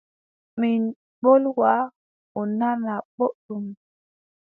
Min mbolwa o nana boɗɗum.